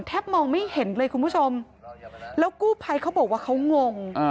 มองไม่เห็นเลยคุณผู้ชมแล้วกู้ภัยเขาบอกว่าเขางง